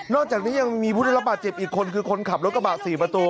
อกจากนี้ยังมีผู้ได้รับบาดเจ็บอีกคนคือคนขับรถกระบะ๔ประตู